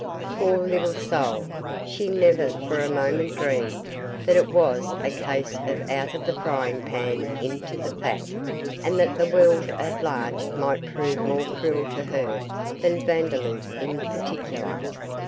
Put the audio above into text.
Poor little soul, she never for a moment dreamed that it was a case of out of the frying pan into the fire, and that the world at large might prove more cruel to her than Vandeloup in particular.